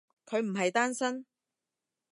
佢唔係單身？